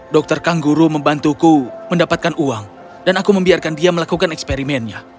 dokter kangguru membantuku mendapatkan uang dan aku membiarkan dia melakukan eksperimennya